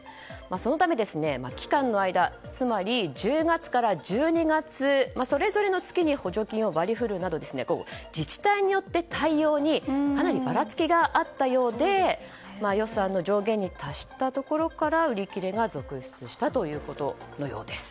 そのため期間の間つまり１０月から１２月それぞれの月に補助金を割り振るなど自治体よって対応にかなりばらつきがあったようで予算の上限に達したところから売り切れが続出したということのようです。